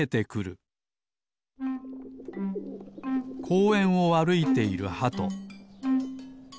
こうえんをあるいているハト。